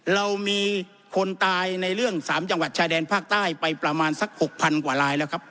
เรามีคนตายในเรื่อง๓จังหวัดชายแดนภาคใต้ไปประมาณสัก๖๐๐๐กว่าลายแล้วครับ